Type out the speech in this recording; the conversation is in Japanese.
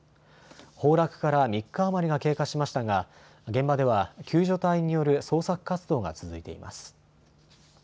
崩落から３日余りが経過しましたが現場では救助隊による捜索活動が続いています。